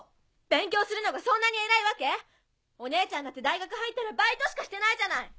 勉強するのがそんなに偉いわけ⁉お姉ちゃんだって大学入ったらバイトしかしてないじゃない！